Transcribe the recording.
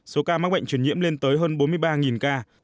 số ca mắc bệnh truyền nhiễm lên tới hơn bốn mươi ba ca